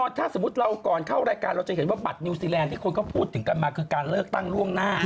ถ้าสมมุติเราก่อนเข้ารายการเราจะเห็นว่าบัตรนิวซีแลนดที่คนเขาพูดถึงกันมาคือการเลือกตั้งล่วงหน้า